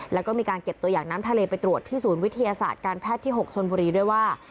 แล้วก็มีการเก็บตัวอย่างน้ำทะเลไปตรวจที่ศูนย์วิทยาศาสตร์การแพทย์ที่๖ชนบุรีด้วยว่า